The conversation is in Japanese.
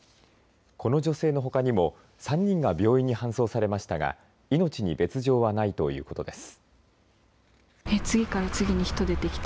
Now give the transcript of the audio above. この女性のほかにも３人が病院に搬送されましたが命に別状はないということです。